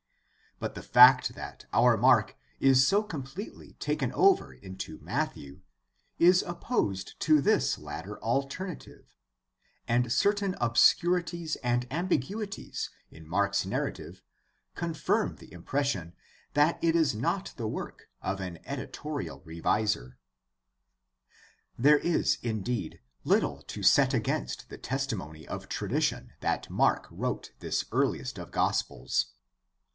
But the fact that our Mark is so completely taken over into Matthew is opposed to this latter alternative, and certain obscurities and ambiguities in Mark's narrative confirm the impression that it is not the work of an editorial reviser. There is indeed little to set against the testimony of tradition that Mark wrote this earhest of gospels.